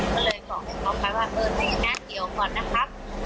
ก็เลยบอกมันกันว่าครูขนาดเดียวก่อนนะครับ